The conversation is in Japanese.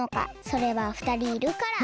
それはふたりいるから！